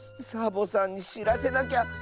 サボさんにしらせなきゃ。